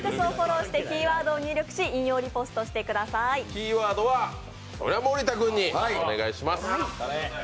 キーワードはそりゃ森田君にお願いします。